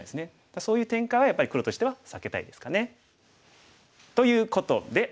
そういう展開はやっぱり黒としては避けたいですかね。ということで。